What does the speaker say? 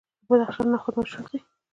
د بدخشان نخود مشهور دي.